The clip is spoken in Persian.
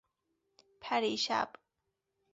پریشب